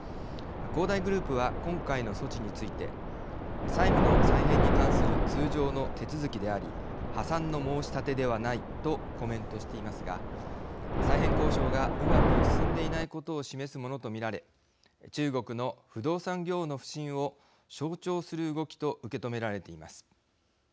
恒大グループは今回の措置について債務の再編に関する通常の手続きであり破産の申し立てではないとコメントしていますが再編交渉がうまく進んでいないことを示すものと見られ中国の不動産業の不振を象徴する動きと受け止められています。